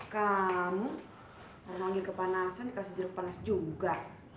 kamu air manggil kepanasan dikasih jeruk panas juga